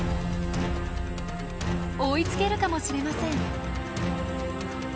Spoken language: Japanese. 追いつけるかもしれません。